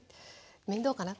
面倒かな。